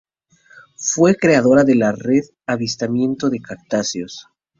Fue creadora de la Red de Avistamiento de Cetáceos.